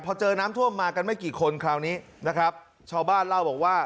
พอเจอน้ำท่วมมากันไม่กี่คนคราวนี้นะครับชาวบ้านเล่าบอกว่า